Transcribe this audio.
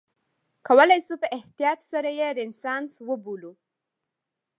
کولای شو په احتیاط سره یې رنسانس وبولو.